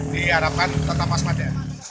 diharapkan tetap masmada